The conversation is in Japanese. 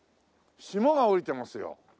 霜が降りてますよ。